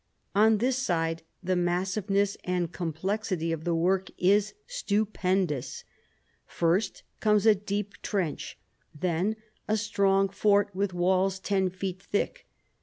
On this side the massiveness and complexity of the work is stupendous. First comes a deep trench, then a strong fort with walls ten feet thick.